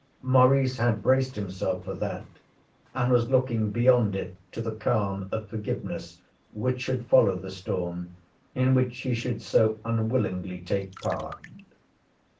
Maurice had braced himself for that, and was looking beyond it to the calm of forgiveness which should follow the storm in which he should so unwillingly take part.